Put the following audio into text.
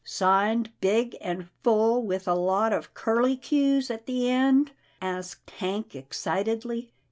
" Signed big and full with a lot of curlicues at the end?" asked Hank excitedly.